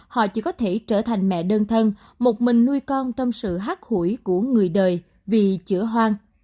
họ chỉ có thể trở thành mẹ đơn thân một mình nuôi con trong sự hát hủy của người đời vì chữa hoang